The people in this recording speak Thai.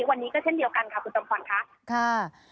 วันนี้ก็เช่นเดียวกันค่ะคุณจำขวัญค่ะ